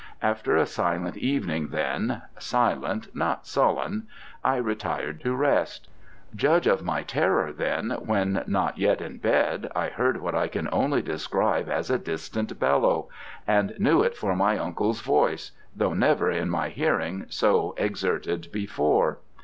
After a silent evening, then silent, not sullen I retired to rest. Judge of my terror, when, not yet in bed, I heard what I can only describe as a distant bellow, and knew it for my uncle's voice, though never in my hearing so exerted before.